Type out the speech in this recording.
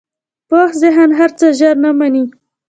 پوخ ذهن هر څه ژر نه منې